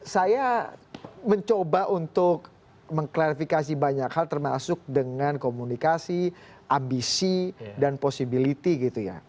saya mencoba untuk mengklarifikasi banyak hal termasuk dengan komunikasi ambisi dan possibility gitu ya